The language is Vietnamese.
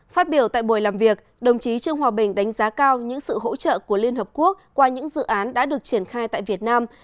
phát biểu tại buổi làm việc đồng chí trương hòa bình đánh giá cao những sự hỗ trợ của liên hợp quốc qua những dự án đã được triển khai tại việt nam